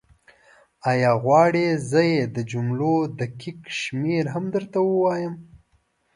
ایا غواړې زه یې د جملو دقیق شمېر هم درته ووایم؟